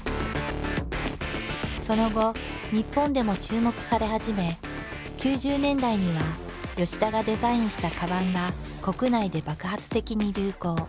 その後日本でも注目され始め９０年代には田がデザインしたカバンが国内で爆発的に流行。